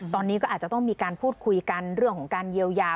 ตอนนี้ก็อาจจะต้องมีการพูดคุยกันเรื่องของการเยียวยา